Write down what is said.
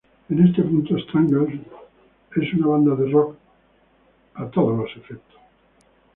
En este punto Stranglers son una banda de rock a todos los efectos.